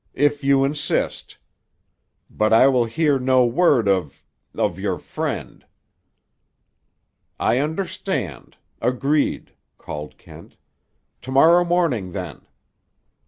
"If you insist. But I will hear no word of—of your friend." "I understand. Agreed," called Kent. "To morrow morning, then."